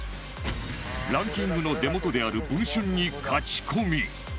ランキングの出元である文春にカチコミ！